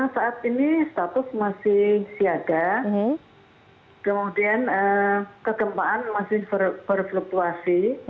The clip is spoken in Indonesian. saat ini status masih siaga kemudian kegempaan masih berfluktuasi